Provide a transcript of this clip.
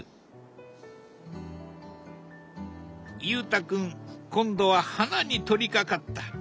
裕太君今度は花に取りかかった。